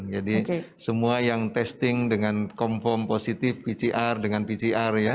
jadi semua yang testing dengan confirm positif pcr dengan pcr ya